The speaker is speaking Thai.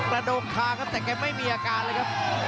ระดกข้างครับแต่กันไม่มีอาการเลยครับ